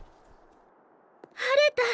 晴れた！